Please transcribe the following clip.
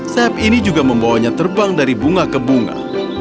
sayap ini juga membawanya terbang dari bunga ke bunga